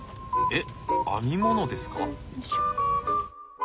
えっ編み物ですか？